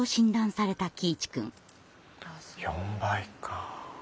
４倍か。